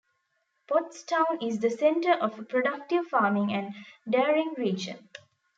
Pottstown is the center of a productive farming and dairying region.